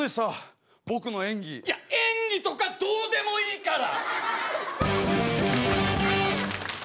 いや演技とかどうでもいいから！